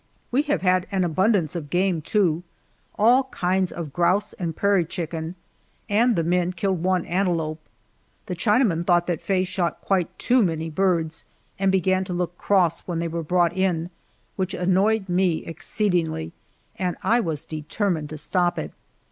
We have had an abundance of game, too all kinds of grouse and prairie chicken, and the men killed one antelope. The Chinaman thought that Faye shot quite too many birds, and began to look cross when they were brought in, which annoyed me exceedingly, and I was determined to stop it.